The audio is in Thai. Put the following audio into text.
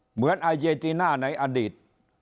เหมือนอาเยติน่าในอดีต